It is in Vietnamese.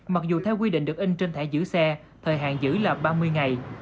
mặc dù theo quy định được in trên thẻ giữ xe thời hạn giữ là ba mươi ngày